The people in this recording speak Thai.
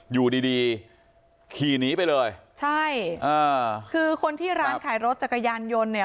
อยู่ดีดีขี่หนีไปเลยใช่อ่าคือคนที่ร้านขายรถจักรยานยนต์เนี่ย